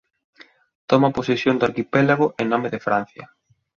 Toma posesión do arquipélago en nome de Francia.